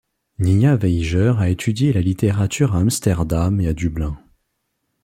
Niña Weijers a étudié la littérature à Amsterdam et à Dublin.